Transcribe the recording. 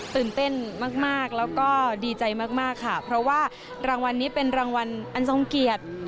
ตื่นเต้นมากแล้วก็ดีใจมากค่ะเพราะว่ารางวัลนี้เป็นรางวัลอันทรงเกียรติ